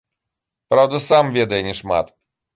Праўда, сам ведае няшмат.